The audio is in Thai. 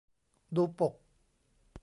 ดูปก